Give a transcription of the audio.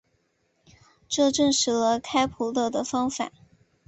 这证实了开普勒的方法。